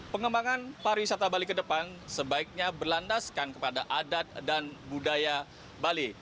pengembangan pariwisata bali ke depan sebaiknya berlandaskan kepada adat dan budaya bali